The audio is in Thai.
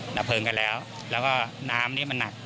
ดับเพลิงกันแล้วแล้วก็น้ำนี่มันหนัก